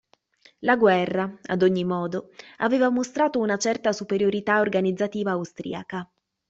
La guerra, ad ogni modo, aveva mostrato una certa superiorità organizzativa austriaca.